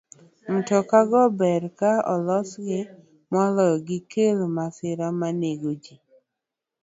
Mtoka go ber ka olosgi moloyo gikel masira ma nego ji.